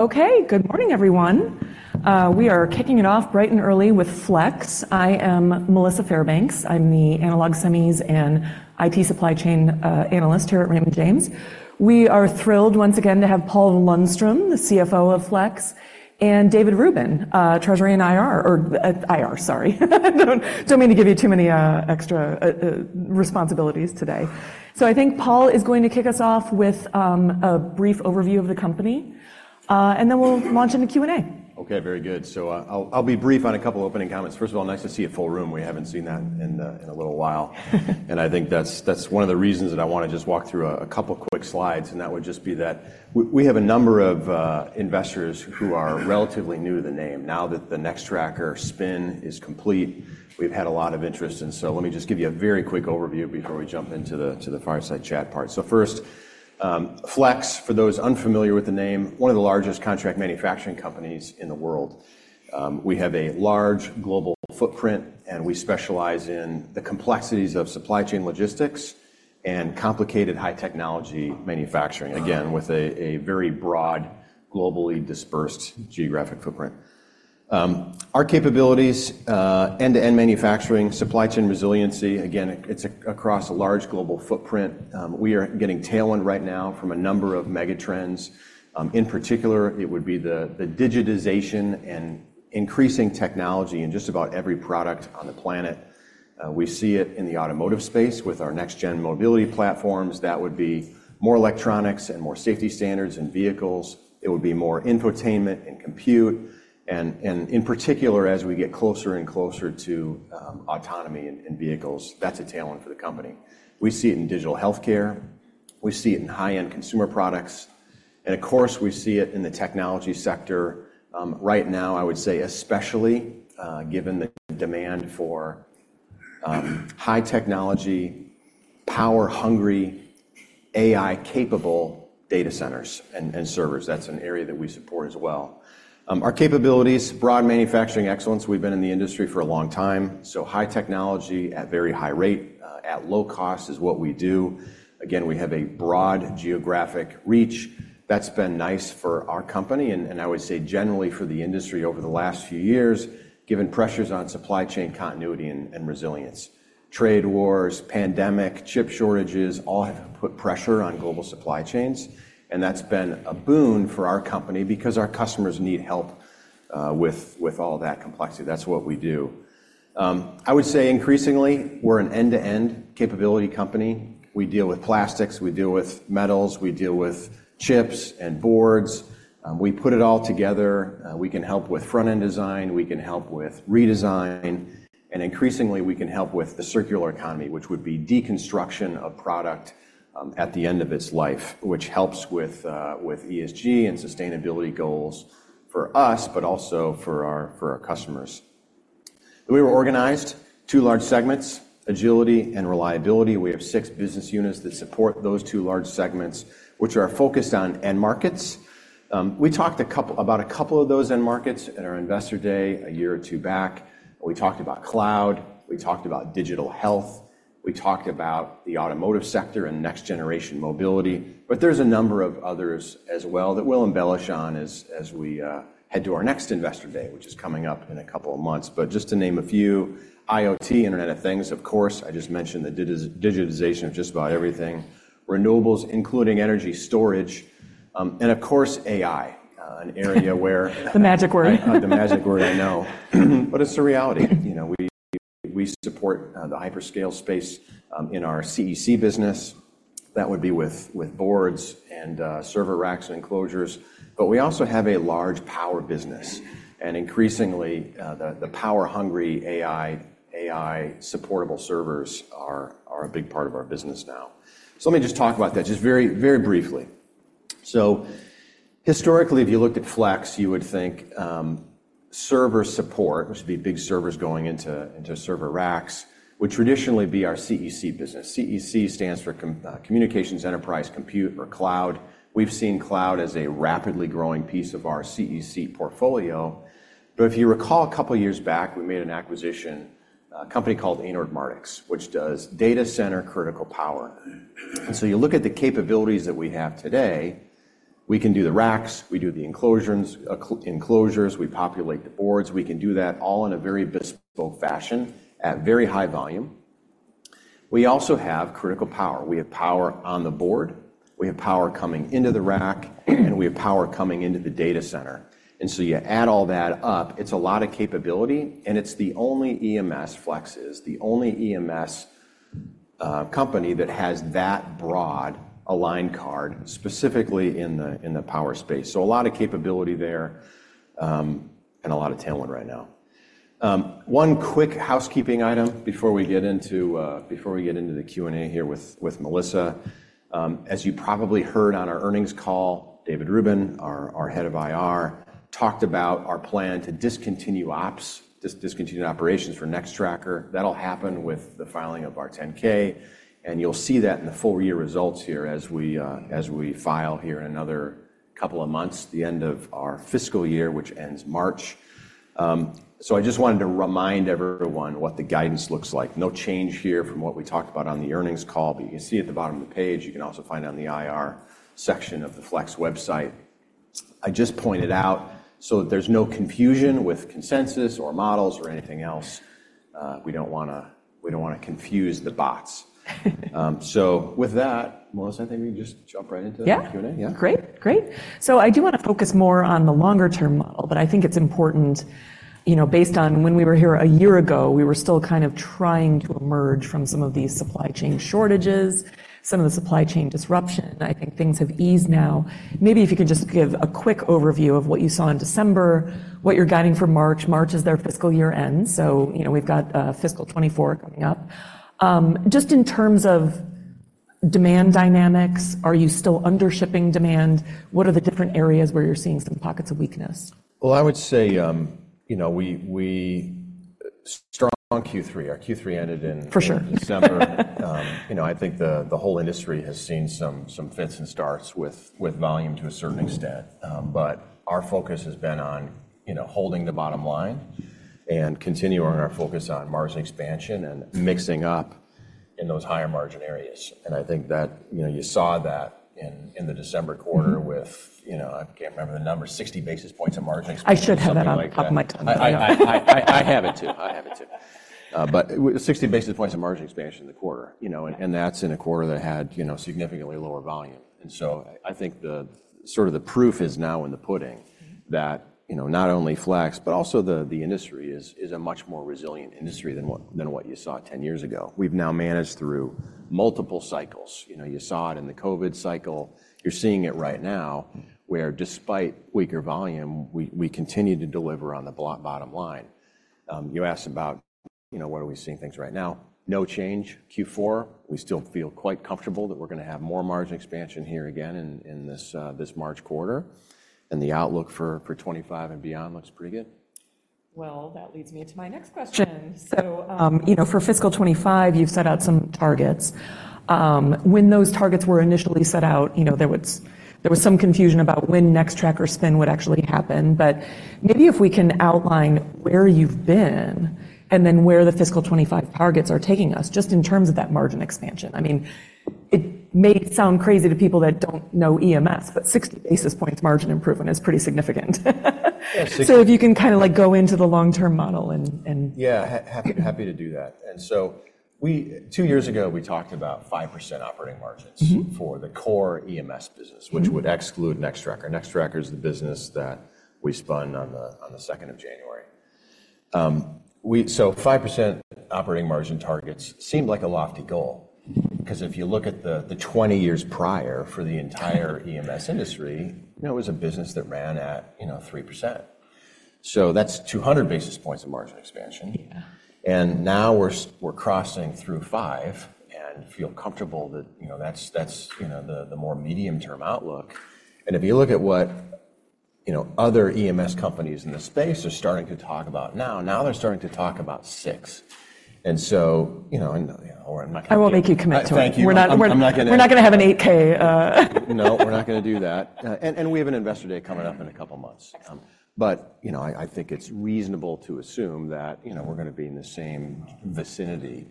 Okay, good morning everyone. We are kicking it off bright and early with Flex. I am Melissa Fairbanks. I'm the analog semis and IT supply chain analyst here at Raymond James. We are thrilled once again to have Paul Lundstrom, the CFO of Flex, and David Rubin, Treasury and IR or IR, sorry. Don't mean to give you too many extra responsibilities today. So I think Paul is going to kick us off with a brief overview of the company, and then we'll launch into Q&A. Okay, very good. So I'll be brief on a couple opening comments. First of all, nice to see a full room. We haven't seen that in a little while. And I think that's one of the reasons that I want to just walk through a couple quick slides, and that would just be that we have a number of investors who are relatively new to the name. Now that the Nextracker spin is complete, we've had a lot of interest, and so let me just give you a very quick overview before we jump into the fireside chat part. So first, Flex, for those unfamiliar with the name, one of the largest contract manufacturing companies in the world. We have a large global footprint, and we specialize in the complexities of supply chain logistics and complicated high-technology manufacturing, again, with a very broad, globally dispersed geographic footprint. Our capabilities, end-to-end manufacturing, supply chain resiliency, again, it's across a large global footprint. We are getting tailwind right now from a number of megatrends. In particular, it would be the digitization and increasing technology in just about every product on the planet. We see it in the automotive space with our next-gen mobility platforms. That would be more electronics and more safety standards in vehicles. It would be more infotainment and compute. And in particular, as we get closer and closer to autonomy in vehicles, that's a tailwind for the company. We see it in digital healthcare. We see it in high-end consumer products. And of course, we see it in the technology sector. Right now, I would say especially, given the demand for high-technology, power-hungry, AI-capable data centers and servers. That's an area that we support as well. Our capabilities, broad manufacturing excellence. We've been in the industry for a long time, so high technology at very high rate, at low cost is what we do. Again, we have a broad geographic reach. That's been nice for our company and I would say generally for the industry over the last few years, given pressures on supply chain continuity and resilience. Trade wars, pandemic, chip shortages all have put pressure on global supply chains, and that's been a boon for our company because our customers need help with all that complexity. That's what we do. I would say increasingly, we're an end-to-end capability company. We deal with plastics. We deal with metals. We deal with chips and boards. We put it all together. We can help with front-end design. We can help with redesign. Increasingly, we can help with the circular economy, which would be deconstruction of product at the end of its life, which helps with ESG and sustainability goals for us, but also for our customers. We were organized into two large segments: agility and reliability. We have six business units that support those two large segments, which are focused on end markets. We talked about a couple of those end markets at our investor day a year or two back. We talked about cloud. We talked about digital health. We talked about the automotive sector and next-generation mobility. But there's a number of others as well that we'll embellish on as we head to our next investor day, which is coming up in a couple of months. But just to name a few, IoT, Internet of Things, of course. I just mentioned the digitization of just about everything. Renewables, including energy storage. Of course, AI, an area where. The magic word. The magic word, I know. But it's the reality. We support the hyperscale space in our CEC business. That would be with boards and server racks and enclosures. But we also have a large power business. And increasingly, the power-hungry AI-supportable servers are a big part of our business now. So let me just talk about that, just very briefly. So historically, if you looked at Flex, you would think server support, which would be big servers going into server racks, would traditionally be our CEC business. CEC stands for Communications Enterprise Compute or Cloud. We've seen cloud as a rapidly growing piece of our CEC portfolio. But if you recall a couple years back, we made an acquisition, a company called Anord Mardix, which does data center critical power. And so you look at the capabilities that we have today, we can do the racks. We do the enclosures. We populate the boards. We can do that all in a very bespoke fashion at very high volume. We also have critical power. We have power on the board. We have power coming into the rack. And we have power coming into the data center. And so you add all that up, it's a lot of capability, and it's the only EMS Flex is, the only EMS company that has that broad aligned card, specifically in the power space. So a lot of capability there and a lot of tailwind right now. One quick housekeeping item before we get into the Q&A here with Melissa. As you probably heard on our earnings call, David Rubin, our head of IR, talked about our plan to discontinue ops, discontinue operations for Nextracker. That'll happen with the filing of our 10-K. You'll see that in the full-year results here as we file here in another couple of months, the end of our fiscal year, which ends March. So I just wanted to remind everyone what the guidance looks like. No change here from what we talked about on the earnings call. But you can see at the bottom of the page, you can also find on the IR section of the Flex website, I just pointed out so that there's no confusion with consensus or models or anything else. We don't want to confuse the bots. So with that, Melissa, I think we can just jump right into the Q&A. Yeah. Great. Great. So I do want to focus more on the longer-term model, but I think it's important, you know, based on when we were here a year ago, we were still kind of trying to emerge from some of these supply chain shortages, some of the supply chain disruption. I think things have eased now. Maybe if you could just give a quick overview of what you saw in December, what you're guiding for March. March is their fiscal year-end, so we've got fiscal 2024 coming up. Just in terms of demand dynamics, are you still under-shipping demand? What are the different areas where you're seeing some pockets of weakness? Well, I would say, you know, we strong Q3. Our Q3 ended in December. For sure. I think the whole industry has seen some fits and starts with volume to a certain extent. But our focus has been on holding the bottom line and continuing our focus on margin expansion and mixing up in those higher margin areas. And I think that you saw that in the December quarter with, you know, I can't remember the number, 60 basis points of margin expansion. I should have that up my tongue. I have it too. I have it too. But 60 basis points of margin expansion in the quarter, you know, and that's in a quarter that had significantly lower volume. And so I think sort of the proof is now in the pudding that not only Flex, but also the industry is a much more resilient industry than what you saw 10 years ago. We've now managed through multiple cycles. You saw it in the COVID cycle. You're seeing it right now where despite weaker volume, we continue to deliver on the bottom line. You asked about what are we seeing things right now? No change Q4. We still feel quite comfortable that we're going to have more margin expansion here again in this March quarter. And the outlook for 2025 and beyond looks pretty good. Well, that leads me to my next question. So, you know, for fiscal 2025, you've set out some targets. When those targets were initially set out, there was some confusion about when Nextracker spin would actually happen. But maybe if we can outline where you've been and then where the fiscal 2025 targets are taking us, just in terms of that margin expansion. I mean, it may sound crazy to people that don't know EMS, but 60 basis points margin improvement is pretty significant. So if you can kind of go into the long-term model and. Yeah, happy to do that. And so two years ago, we talked about 5% operating margins for the core EMS business, which would exclude Nextracker. Nextracker is the business that we spun on the January 2nd. So 5% operating margin targets seemed like a lofty goal because if you look at the 20 years prior for the entire EMS industry, it was a business that ran at 3%. So that's 200 basis points of margin expansion. And now we're crossing through 5% and feel comfortable that that's the more medium-term outlook. And if you look at what other EMS companies in the space are starting to talk about now, now they're starting to talk about 6%. And so, you know, or I'm not going to. I won't make you commit to it. We're not going to have an 8-K. No, we're not going to do that. And we have an investor day coming up in a couple of months. But I think it's reasonable to assume that we're going to be in the same vicinity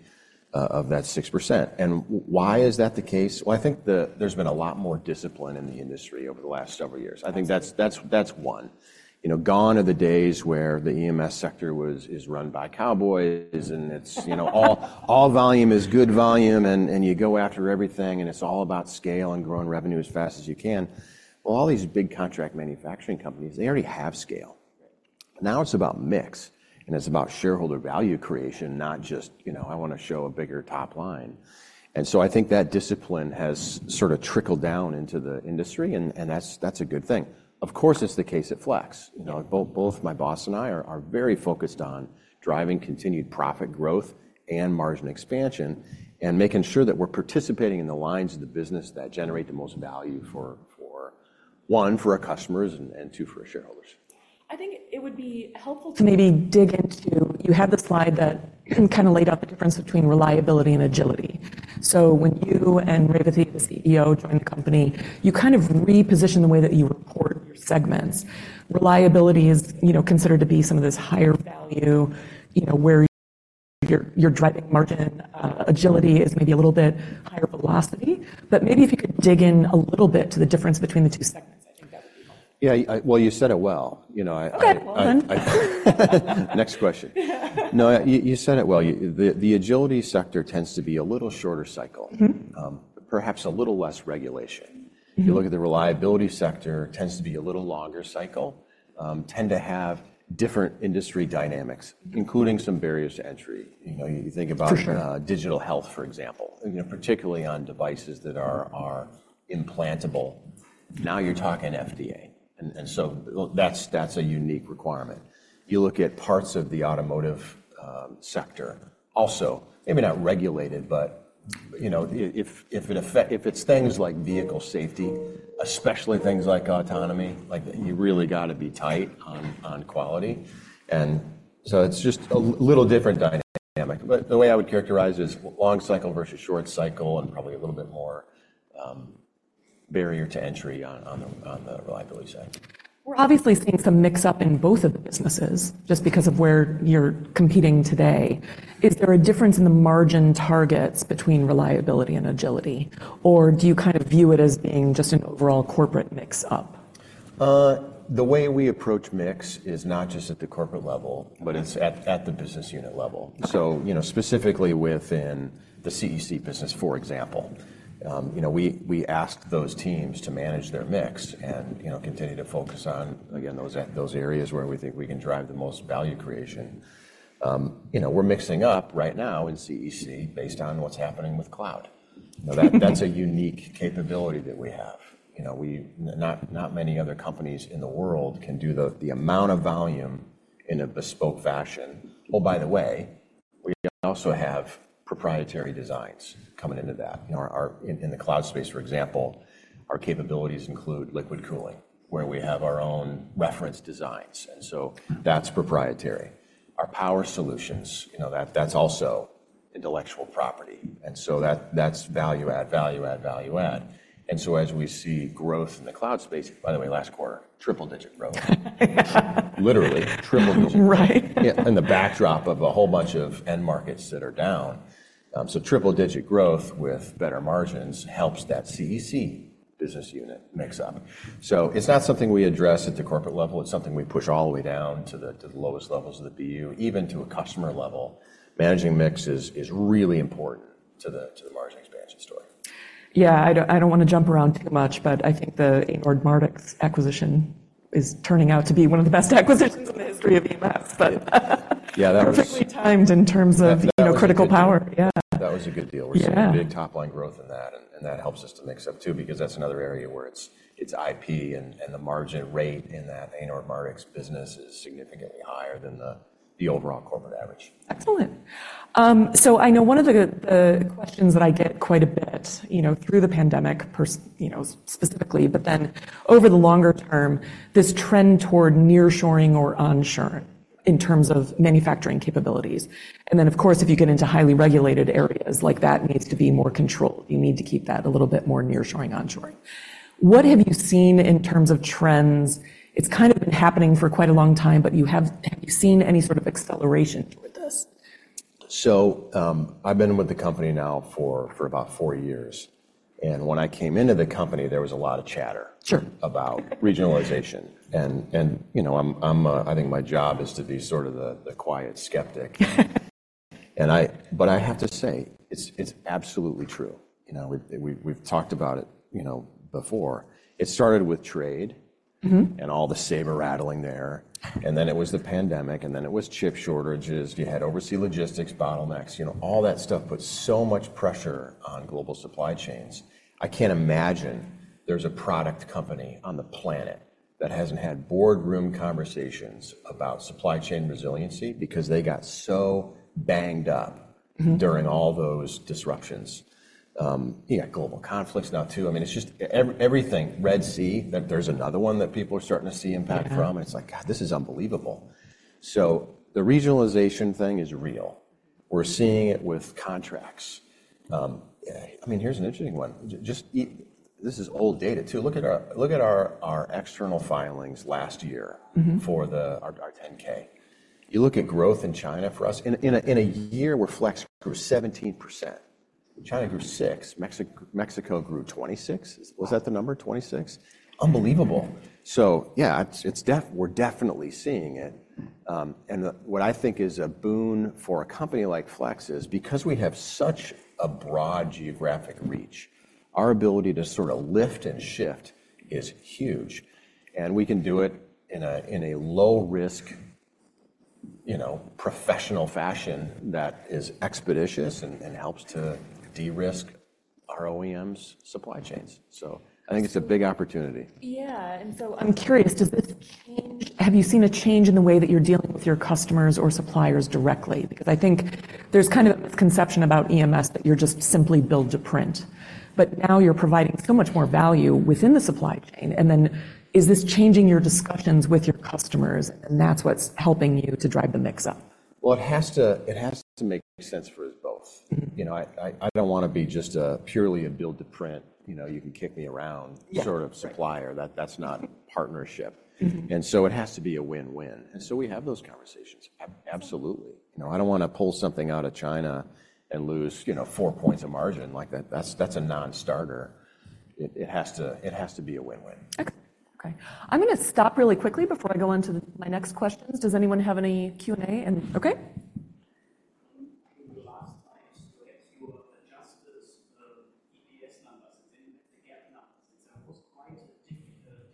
of that 6%. And why is that the case? Well, I think there's been a lot more discipline in the industry over the last several years. I think that's one. Gone are the days where the EMS sector is run by cowboys and all volume is good volume and you go after everything and it's all about scale and growing revenue as fast as you can. Well, all these big contract manufacturing companies, they already have scale. Now it's about mix. And it's about shareholder value creation, not just, you know, I want to show a bigger top line. I think that discipline has sort of trickled down into the industry, and that's a good thing. Of course, it's the case at Flex. Both my boss and I are very focused on driving continued profit growth and margin expansion and making sure that we're participating in the lines of the business that generate the most value for, one, for our customers and two, for our shareholders. I think it would be helpful to maybe dig into. You had the slide that kind of laid out the difference between reliability and agility. So when you and Revathi, the CEO, joined the company, you kind of repositioned the way that you report your segments. Reliability is considered to be some of this higher value, where your driving margin agility is maybe a little bit higher velocity. But maybe if you could dig in a little bit to the difference between the two segments, I think that would be helpful. Yeah. Well, you said it well. Okay. Well, then. Next question. No, you said it well. The agility sector tends to be a little shorter cycle, perhaps a little less regulation. If you look at the reliability sector, it tends to be a little longer cycle, tend to have different industry dynamics, including some barriers to entry. You think about digital health, for example, particularly on devices that are implantable. Now you're talking FDA. And so that's a unique requirement. You look at parts of the automotive sector also, maybe not regulated, but if it's things like vehicle safety, especially things like autonomy, you really got to be tight on quality. And so it's just a little different dynamic. But the way I would characterize it is long cycle versus short cycle and probably a little bit more barrier to entry on the reliability side. We're obviously seeing some mix-up in both of the businesses just because of where you're competing today. Is there a difference in the margin targets between reliability and agility? Or do you kind of view it as being just an overall corporate mix-up? The way we approach mix is not just at the corporate level, but it's at the business unit level. So specifically within the CEC business, for example, we ask those teams to manage their mix and continue to focus on, again, those areas where we think we can drive the most value creation. We're mixing up right now in CEC based on what's happening with cloud. That's a unique capability that we have. Not many other companies in the world can do the amount of volume in a bespoke fashion. Oh, by the way, we also have proprietary designs coming into that. In the cloud space, for example, our capabilities include liquid cooling, where we have our own reference designs. And so that's proprietary. Our power solutions, that's also intellectual property. And so that's value add, value add, value add. And so as we see growth in the cloud space, by the way, last quarter, triple-digit growth. Literally, triple-digit. Right. In the backdrop of a whole bunch of end markets that are down. So triple-digit growth with better margins helps that CEC business unit mix up. So it's not something we address at the corporate level. It's something we push all the way down to the lowest levels of the BU, even to a customer level. Managing mix is really important to the margin expansion story. Yeah. I don't want to jump around too much, but I think the Anord Mardix acquisition is turning out to be one of the best acquisitions in the history of EMS. Yeah, that was. Perfectly timed in terms of critical power. Yeah. That was a good deal. We're seeing big top-line growth in that. That helps us to mix up too because that's another area where it's IP and the margin rate in that Anord Mardix business is significantly higher than the overall corporate average. Excellent. So I know one of the questions that I get quite a bit through the pandemic specifically, but then over the longer term, this trend toward nearshoring or onshoring in terms of manufacturing capabilities. And then, of course, if you get into highly regulated areas, like that needs to be more controlled. You need to keep that a little bit more nearshoring, onshoring. What have you seen in terms of trends? It's kind of been happening for quite a long time, but have you seen any sort of acceleration toward this? So I've been with the company now for about four years. When I came into the company, there was a lot of chatter about regionalization. I think my job is to be sort of the quiet skeptic. But I have to say, it's absolutely true. We've talked about it before. It started with trade and all the saber rattling there. Then it was the pandemic. Then it was chip shortages. You had overseas logistics bottlenecks. All that stuff put so much pressure on global supply chains. I can't imagine there's a product company on the planet that hasn't had boardroom conversations about supply chain resiliency because they got so banged up during all those disruptions. You got global conflicts now too. I mean, it's just everything. Red Sea, there's another one that people are starting to see impact from. It's like, "God, this is unbelievable." So the regionalization thing is real. We're seeing it with contracts. I mean, here's an interesting one. This is old data too. Look at our external filings last year for our 10-K. You look at growth in China for us. In a year, where Flex grew 17%, China grew 6%. Mexico grew 26%. Was that the number? 26%? Unbelievable. So yeah, we're definitely seeing it. And what I think is a boon for a company like Flex is because we have such a broad geographic reach, our ability to sort of lift and shift is huge. And we can do it in a low-risk, professional fashion that is expeditious and helps to de-risk our OEMs' supply chains. So I think it's a big opportunity. Yeah. And so I'm curious, have you seen a change in the way that you're dealing with your customers or suppliers directly? Because I think there's kind of a misconception about EMS that you're just simply build to print. But now you're providing so much more value within the supply chain. And then is this changing your discussions with your customers? And that's what's helping you to drive the mix up? Well, it has to make sense for us both. I don't want to be just purely a build to print, you can kick me around sort of supplier. That's not partnership. And so it has to be a win-win. And so we have those conversations. Absolutely. I don't want to pull something out of China and lose 4 points of margin like that. That's a non-starter. It has to be a win-win. Okay. I'm going to stop really quickly before I go on to my next questions. Does anyone have any Q&A? Okay. In the last time, you said you have adjustments of EPS numbers. It's indexed to GAAP numbers. It was quite a difference.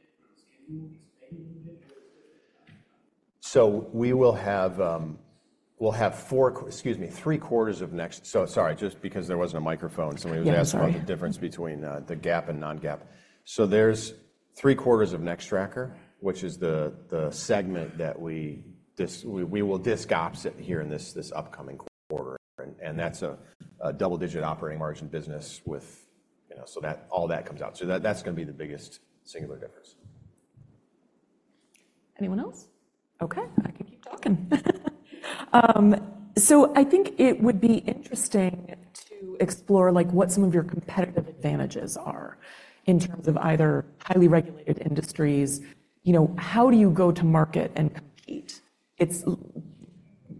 Can you explain a little bit where it's different? So we will have four, excuse me, three quarters of Nextracker, sorry, just because there wasn't a microphone. Somebody was asking about the difference between the GAAP and non-GAAP. So there's three quarters of Nextracker, which is the segment that we will disc ops here in this upcoming quarter. And that's a double-digit operating margin business with so all that comes out. So that's going to be the biggest singular difference. Anyone else? Okay. I can keep talking. So I think it would be interesting to explore what some of your competitive advantages are in terms of either highly regulated industries. How do you go to market and compete?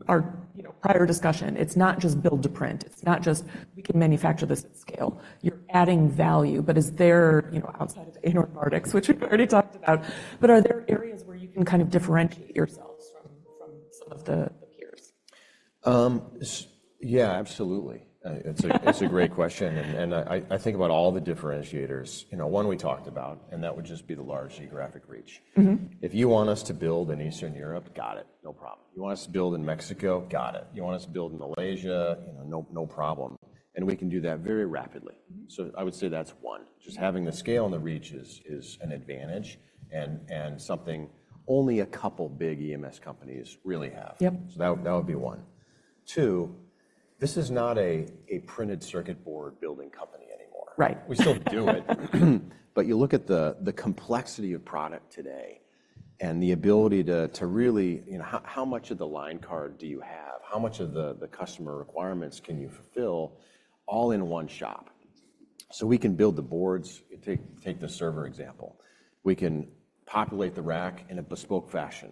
Our prior discussion, it's not just build to print. It's not just we can manufacture this at scale. You're adding value. But is there, outside of Anord Mardix, which we've already talked about, but are there areas where you can kind of differentiate yourselves from some of the peers? Yeah, absolutely. It's a great question. I think about all the differentiators. One we talked about, and that would just be the large geographic reach. If you want us to build in Eastern Europe, got it. No problem. You want us to build in Mexico, got it. You want us to build in Malaysia, no problem. We can do that very rapidly. So I would say that's one. Just having the scale and the reach is an advantage and something only a couple big EMS companies really have. So that would be one. Two, this is not a printed circuit board building company anymore. We still do it. But you look at the complexity of product today and the ability to really, how much of the line card do you have? How much of the customer requirements can you fulfill all in one shop? So we can build the boards. Take the server example. We can populate the rack in a bespoke fashion.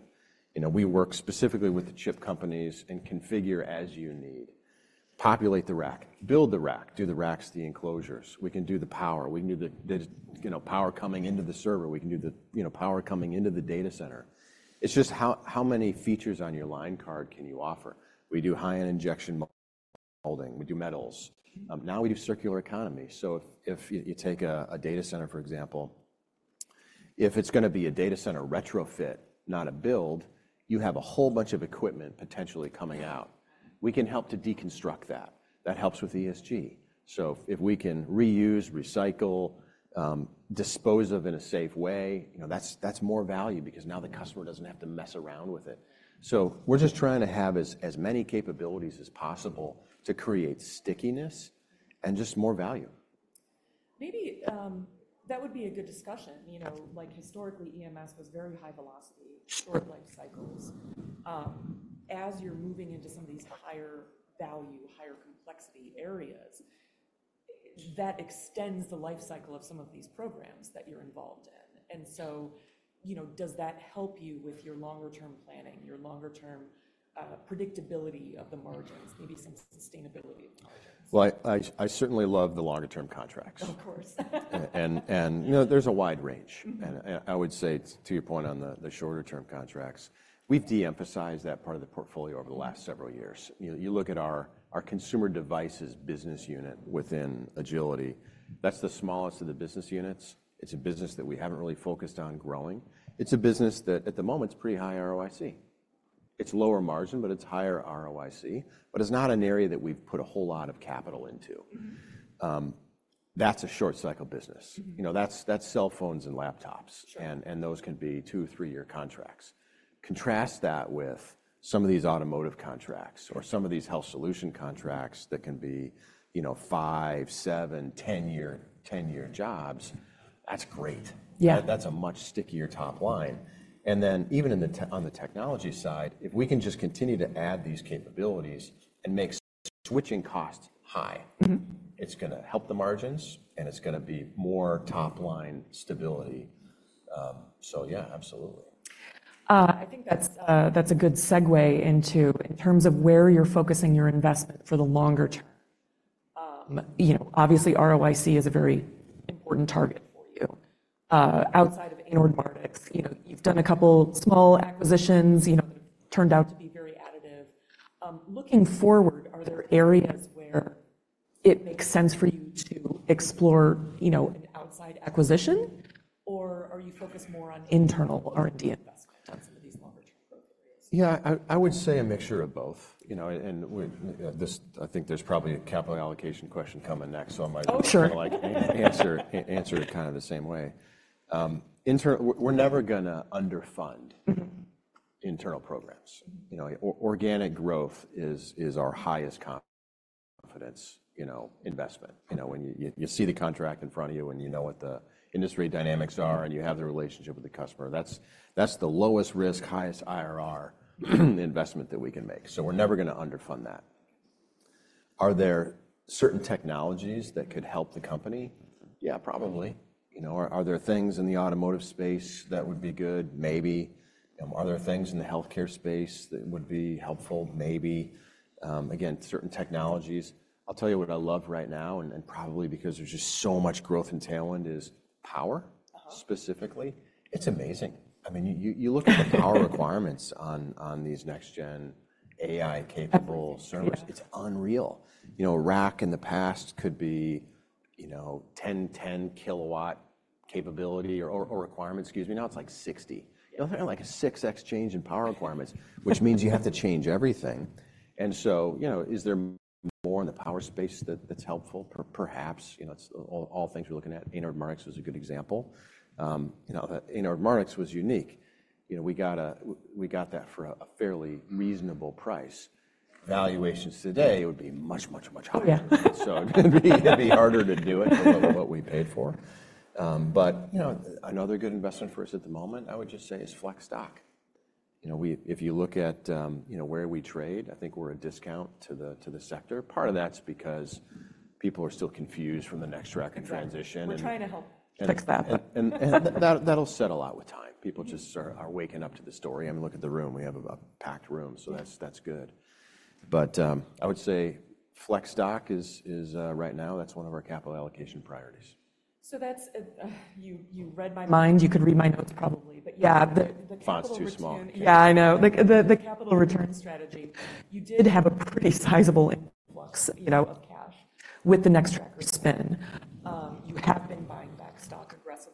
We work specifically with the chip companies and configure as you need. Populate the rack. Build the rack. Do the racks, the enclosures. We can do the power. We can do the power coming into the server. We can do the power coming into the data center. It's just how many features on your line card can you offer? We do high-end injection molding. We do metals. Now we do circular economy. So if you take a data center, for example, if it's going to be a data center retrofit, not a build, you have a whole bunch of equipment potentially coming out. We can help to deconstruct that. That helps with ESG. So if we can reuse, recycle, dispose of in a safe way, that's more value because now the customer doesn't have to mess around with it. So we're just trying to have as many capabilities as possible to create stickiness and just more value. Maybe that would be a good discussion. Historically, EMS was very high velocity, short lifecycles. As you're moving into some of these higher value, higher complexity areas, that extends the lifecycle of some of these programs that you're involved in. And so does that help you with your longer-term planning, your longer-term predictability of the margins, maybe some sustainability of the margins? Well, I certainly love the longer-term contracts. Of course. There's a wide range. I would say, to your point on the shorter-term contracts, we've de-emphasized that part of the portfolio over the last several years. You look at our consumer devices business unit within Agility, that's the smallest of the business units. It's a business that we haven't really focused on growing. It's a business that, at the moment, it's pretty high ROIC. It's lower margin, but it's higher ROIC, but it's not an area that we've put a whole lot of capital into. That's a short-cycle business. That's cell phones and laptops. And those can be two, three-year contracts. Contrast that with some of these automotive contracts or some of these health solution contracts that can be five, seven, 10-year jobs. That's great. That's a much stickier top line. And then even on the technology side, if we can just continue to add these capabilities and make switching costs high, it's going to help the margins, and it's going to be more top-line stability. So yeah, absolutely. I think that's a good segue into in terms of where you're focusing your investment for the longer term. Obviously, ROIC is a very important target for you. Outside of Anord Mardix, you've done a couple small acquisitions that have turned out to be very additive. Looking forward, are there areas where it makes sense for you to explore an outside acquisition? Or are you focused more on internal R&D investment on some of these longer-term growth areas? Yeah. I would say a mixture of both. I think there's probably a capital allocation question coming next, so I might ask you to answer it kind of the same way. We're never going to underfund internal programs. Organic growth is our highest confidence investment. When you see the contract in front of you and you know what the industry dynamics are and you have the relationship with the customer, that's the lowest risk, highest IRR investment that we can make. We're never going to underfund that. Are there certain technologies that could help the company? Yeah, probably. Are there things in the automotive space that would be good? Maybe. Are there things in the healthcare space that would be helpful? Maybe. Again, certain technologies. I'll tell you what I love right now, and probably because there's just so much growth entailing, is power specifically. It's amazing. I mean, you look at the power requirements on these next-gen AI-capable servers. It's unreal. A rack in the past could be 10 KW capability or requirements. Excuse me. Now it's like 60. Like a six exchange in power requirements, which means you have to change everything. And so is there more in the power space that's helpful? Perhaps. All things we're looking at, Anord Mardix was a good example. Anord Mardix was unique. We got that for a fairly reasonable price. Valuations today, it would be much, much, much higher. So it'd be harder to do it for what we paid for. But another good investment for us at the moment, I would just say, is Flex stock. If you look at where we trade, I think we're a discount to the sector. Part of that's because people are still confused from the Nextracker transition and. We're trying to help fix that. That'll settle out with time. People just are waking up to the story. I mean, look at the room. We have a packed room. So that's good. But I would say Flex stock is right now. That's one of our capital allocation priorities. So you read my mind. You could read my notes, probably. But yeah, the capital return. Yeah, I know. The capital return strategy. You did have a pretty sizable influx of cash with the Nextracker spin. You have been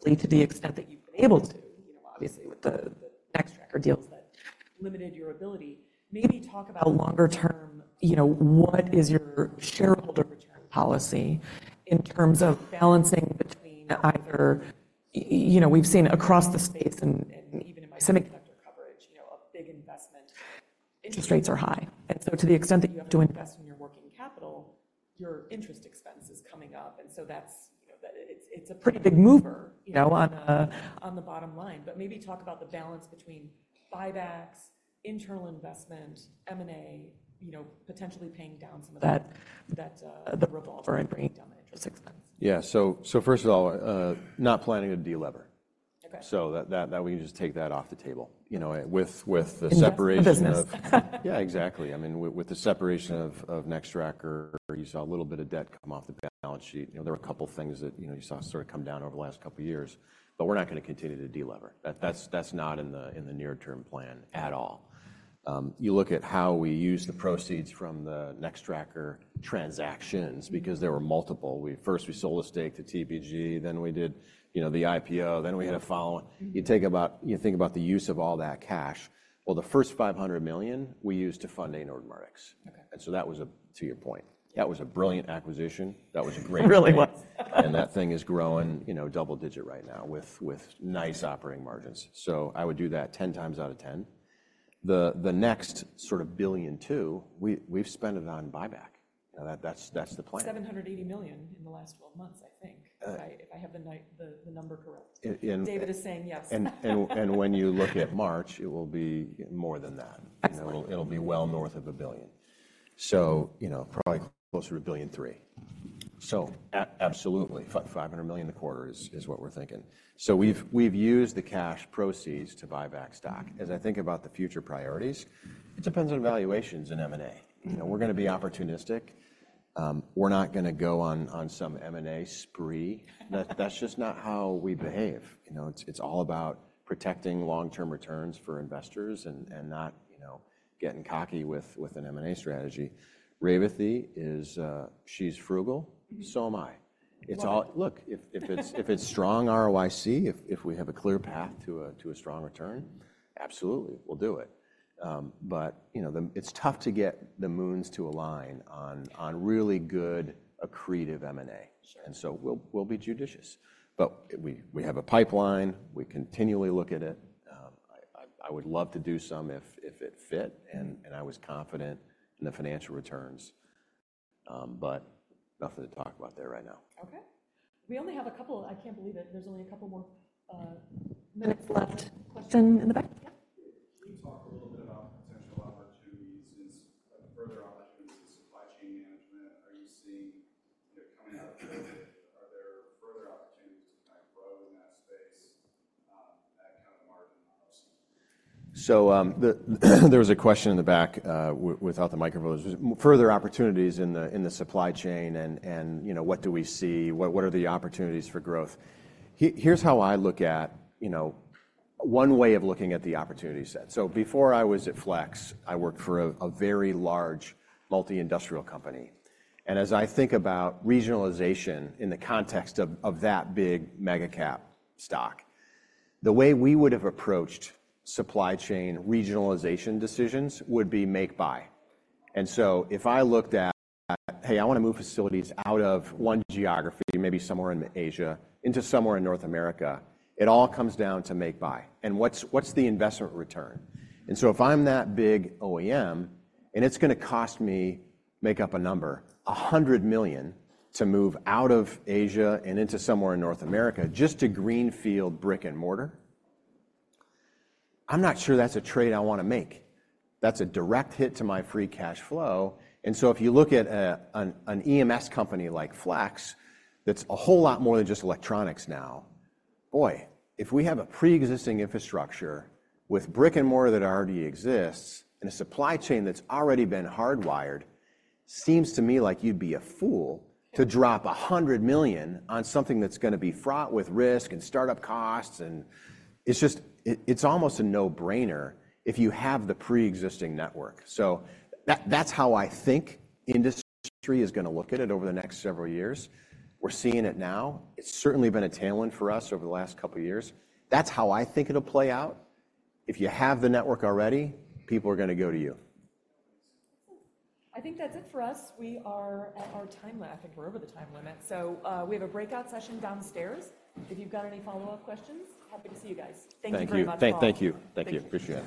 buying back stock aggressively to the extent that you've been able to, obviously, with the Nextracker deals that limited your ability. Maybe talk about longer-term what is your shareholder return policy in terms of balancing between either we've seen across the space and even in my semiconductor coverage, a big investment. Interest rates are high. And so to the extent that you have to invest in your working capital, your interest expense is coming up. And so it's a pretty big mover on the bottom line. But maybe talk about the balance between buybacks, internal investment, M&A, potentially paying down some of the revolver and bringing down the interest expense. Yeah. So first of all, not planning a de-lever. So that we can just take that off the table with the separation of. In the business. Yeah, exactly. I mean, with the separation of Nextracker, you saw a little bit of debt come off the balance sheet. There were a couple of things that you saw sort of come down over the last couple of years. But we're not going to continue to de-lever. That's not in the near-term plan at all. You look at how we use the proceeds from the Nextracker transactions because there were multiple. First, we sold a stake to TPG. Then we did the IPO. Then we had a follow-up. You think about the use of all that cash. Well, the first $500 million, we used to fund Anord Mardix. And so that was a to your point, that was a brilliant acquisition. That was a great one. It really was. That thing is growing double-digit right now with nice operating margins. I would do that 10 times out of 10. The next sort of $1 billion or $2 billion, we've spent it on buyback. That's the plan. $780 million in the last 12 months, I think, if I have the number correct. David is saying yes. When you look at March, it will be more than that. It'll be well north of $1 billion. So probably closer to $1.3 billion. So absolutely. $500 million the quarter is what we're thinking. So we've used the cash proceeds to buy back stock. As I think about the future priorities, it depends on valuations and M&A. We're going to be opportunistic. We're not going to go on some M&A spree. That's just not how we behave. It's all about protecting long-term returns for investors and not getting cocky with an M&A strategy. Revathi, she's frugal. So am I. Look, if it's strong ROIC, if we have a clear path to a strong return, absolutely, we'll do it. But it's tough to get the moons to align on really good, accretive M&A. And so we'll be judicious. But we have a pipeline. We continually look at it. I would love to do some if it fit and I was confident in the financial returns. Nothing to talk about there right now. Okay. We only have a couple. I can't believe it. There's only a couple more minutes left. Question in the back? Yeah. Can you talk a little bit about potential opportunities and further opportunities in supply chain management? Are you seeing coming out of COVID, are there further opportunities to kind of grow in that space at kind of a margin ROC? So there was a question in the back without the microphone. Further opportunities in the supply chain and what do we see? What are the opportunities for growth? Here's how I look at one way of looking at the opportunity set. Before I was at Flex, I worked for a very large multi-industrial company. As I think about regionalization in the context of that big mega-cap stock, the way we would have approached supply chain regionalization decisions would be make-buy. If I looked at, "Hey, I want to move facilities out of one geography, maybe somewhere in Asia into somewhere in North America," it all comes down to make-buy. What's the investment return? If I'm that big OEM and it's going to cost me, make up a number, $100 million to move out of Asia and into somewhere in North America just to greenfield brick and mortar, I'm not sure that's a trade I want to make. That's a direct hit to my free cash flow. If you look at an EMS company like Flex that's a whole lot more than just electronics now, boy, if we have a pre-existing infrastructure with brick and mortar that already exists and a supply chain that's already been hardwired, it seems to me like you'd be a fool to drop $100 million on something that's going to be fraught with risk and startup costs. It's almost a no-brainer if you have the pre-existing network. That's how I think industry is going to look at it over the next several years. We're seeing it now. It's certainly been a tailwind for us over the last couple of years. That's how I think it'll play out. If you have the network already, people are going to go to you. I think that's it for us. We are at our time limit. I think we're over the time limit. So we have a breakout session downstairs. If you've got any follow-up questions, happy to see you guys. Thank you very much for allowing us. Thank you. Thank you. Thank you. Appreciate it.